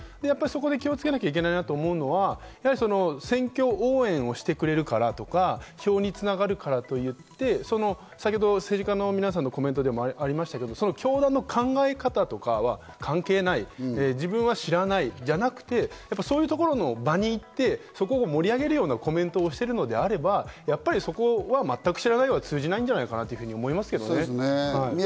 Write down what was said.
気をつけなきゃいけないのは、選挙応援をしてくれるからとか、票に繋がるからとか言って、先ほど政治家の皆さんのコメントにもありましたけど、教団の考え方とかは関係ない、自分は知らないじゃなくて、そういうところの場に行って、盛り上げるようなコメントをしているのであれば、そこは全く知らないとは通じないんじゃないかなと思いますけどね。